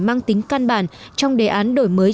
mang tính căn bản trong đề án đổi mới